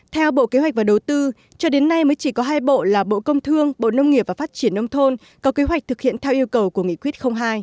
theo bộ kế hoạch và đầu tư cho đến nay mới chỉ có hai bộ là bộ công thương bộ nông nghiệp và phát triển nông thôn có kế hoạch thực hiện theo yêu cầu của nghị quyết hai